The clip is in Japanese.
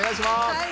はい！